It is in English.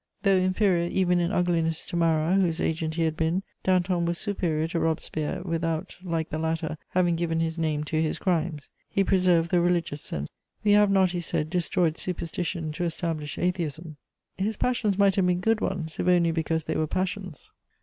Though inferior, even in ugliness, to Marat, whose agent he had been, Danton was superior to Robespierre, without, like the latter, having given his name to his crimes. He preserved the religious sense: "We have not," he said, "destroyed superstition to establish atheism." His passions might have been good ones, if only because they were passions.